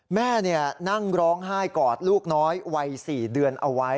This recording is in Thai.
แม่นั่งร้องไห้กอดลูกน้อยวัย๔เดือนเอาไว้